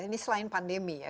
ini selain pandemi ya